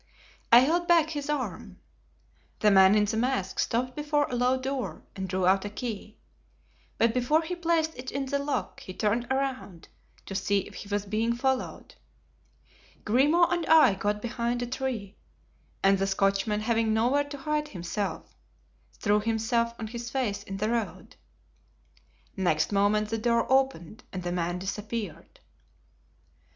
I held back his arm. The man in the mask stopped before a low door and drew out a key; but before he placed it in the lock he turned around to see if he was being followed. Grimaud and I got behind a tree, and the Scotchman having nowhere to hide himself, threw himself on his face in the road. Next moment the door opened and the man disappeared."